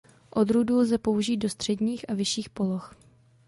Odrůdu lze použít do středních a vyšších poloh.